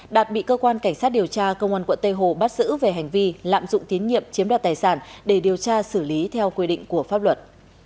đạt bị cơ quan cảnh sát điều tra công an quận tây hồ bắt giữ về hành vi lạm dụng tín nhiệm chiếm đoạt tài sản để điều tra xử lý theo quy định của pháp luật